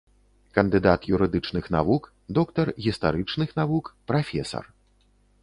Кандыдат юрыдычных навук, доктар гістарычных навук, прафесар.